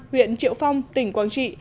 huyện triệu phong tỉnh quảng trị